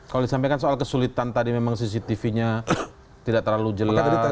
kalau disampaikan soal kesulitan tadi memang cctv nya tidak terlalu jelas